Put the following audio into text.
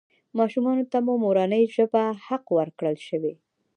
ماشومانو ته په مورنۍ ژبه حق ورکړل شوی.